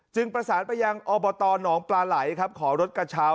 จึงประสานไปยังอนปลาไหลขอรถกระเช้า